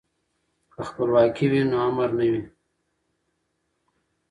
که خپلواکي وي نو امر نه وي.